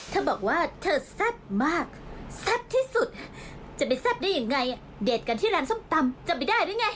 เธอบอกว่าเธอแซ่บมากแซ่บที่สุดจะไปแซ่บได้ยังไงเด็ดกันที่ร้านส้มตำจะไปได้หรือไง